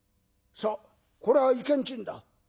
さあこれは意見賃だ。